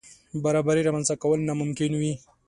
برابرۍ رامنځ ته کول ناممکن وي.